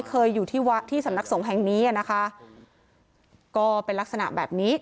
เคยอยู่ที่วัดที่สำนักสงฆ์แห่งนี้อ่ะนะคะก็เป็นลักษณะแบบนี้